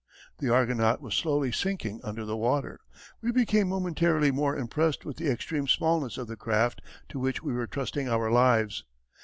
The Argonaut was slowly sinking under the water. We became momentarily more impressed with the extreme smallness of the craft to which we were trusting our lives.